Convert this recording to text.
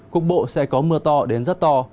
cục bộ sẽ có mưa to đến rất to